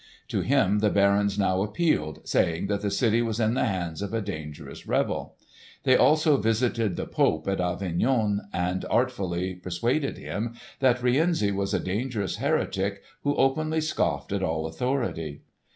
To him the barons now appealed saying that the city was in the hands of a dangerous rebel. They also visited the Pope at Avignon and artfully persuaded him that Rienzi was a dangerous heretic who openly scoffed at all authority.